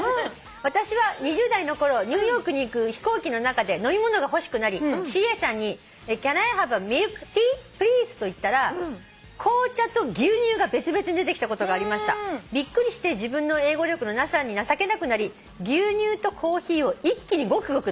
「私は２０代のころニューヨークに行く飛行機の中で飲み物が欲しくなりＣＡさんに『ＣａｎＩｈａｖｅａｍｉｌｋｔｅａｐｌｅａｓｅ？』と言ったら紅茶と牛乳が別々に出てきたことがありました」「びっくりして自分の英語力のなさに情けなくなり牛乳と紅茶を一気にゴクゴク飲みました」